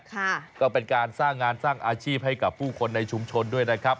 ค่ะก็เป็นการสร้างงานสร้างอาชีพให้กับผู้คนในชุมชนด้วยนะครับ